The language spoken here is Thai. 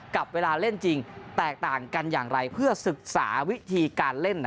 กับเวลาเล่นจริงแตกต่างกันอย่างไรเพื่อศึกษาวิธีการเล่น